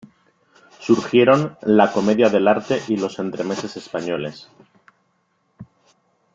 Surgieron la "Commedia dell’arte" y los entremeses españoles.